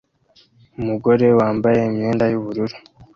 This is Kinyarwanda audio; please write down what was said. Umugore wambaye imyenda yubururu